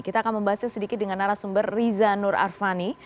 kita akan membahasnya sedikit dengan narasumber riza nur arfani